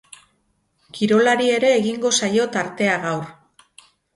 Kirolari ere egingo zaio tartea gaur.